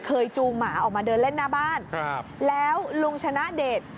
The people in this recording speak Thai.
จูงหมาออกมาเดินเล่นหน้าบ้านครับแล้วลุงชนะเดช